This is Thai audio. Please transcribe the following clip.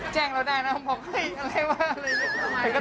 แจ้งเราได้นะเขาบอกอะไรวะอะไรเงี้ย